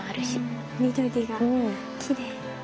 うん緑がきれい。